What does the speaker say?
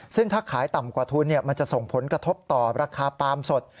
ซึ่งถ้าขายต่ำกว่าทุนมันจะส่งผลกระทบต่อราคาปาล์มสด